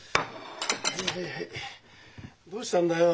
どうしたんだよ。